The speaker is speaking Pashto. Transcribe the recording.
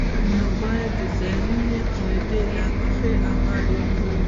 نو باید د زرینې قاعدې له مخې عمل وکړي.